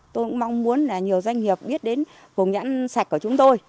tôi cũng mong muốn là nhiều doanh nghiệp biết đến vùng nhãn sạch của chúng tôi